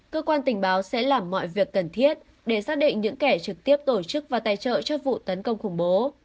cơ quan tình báo sẽ làm mọi việc cần thiết để xác định những kẻ trực tiếp tổ chức và tài trợ cho vụ tấn công khủng bố